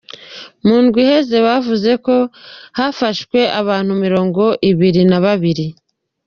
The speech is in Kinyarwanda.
Mu ndwi iheze bavuze ko hafashwe abantu mirongo ibiri na babiri.